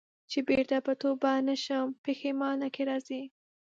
چي بیرته پر توبه نه سم پښېمانه که راځې